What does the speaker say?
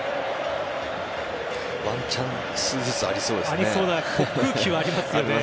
ワンチャンスずつありそうですね。